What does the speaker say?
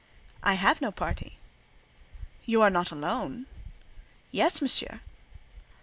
"I have no party." "You are not alone?" "Yes, Monsieur."